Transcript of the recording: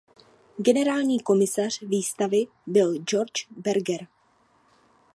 Generálním komisařem výstavy byl Georges Berger.